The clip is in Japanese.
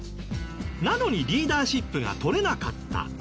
なのにリーダーシップが取れなかった。